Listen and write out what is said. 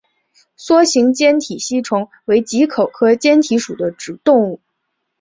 梭形坚体吸虫为棘口科坚体属的动物。